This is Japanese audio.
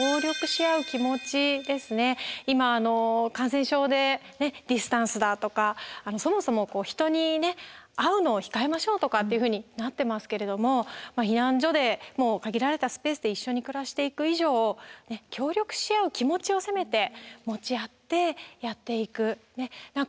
それは今感染症でディスタンスだとかそもそも人にね会うのを控えましょうとかっていうふうになってますけれども避難所でもう限られたスペースで一緒に暮らしていく以上協力し合う気持ちをせめて持ち合ってやっていく。